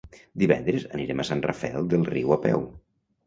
Divendres anirem a Sant Rafel del Riu a peu.